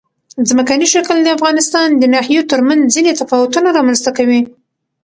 ځمکنی شکل د افغانستان د ناحیو ترمنځ ځینې تفاوتونه رامنځ ته کوي.